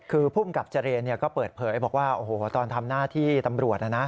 คือภูมิกับเจรก็เปิดเผยบอกว่าโอ้โหตอนทำหน้าที่ตำรวจนะนะ